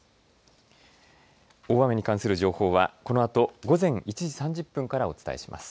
大雨に関する情報はこのあと午前１時３０分からお伝えします。